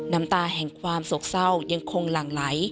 น้ำตาแห่งความโศกเศร้ายังคงหลั่งไหล